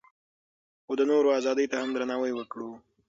خو د نورو ازادۍ ته هم درناوی وکړو.